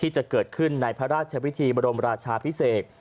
จะเกิดขึ้นในพระราชวิธีบรมราชาพิเศษ